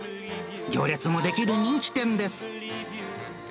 行列が出来る人気店です。